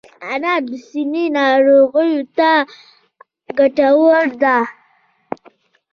انار د سینې ناروغیو ته ګټور دی.